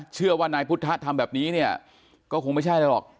เชื่อว่าในพุทธธรรมแบบนี้ก็คงไม่ใช่เลยหรอก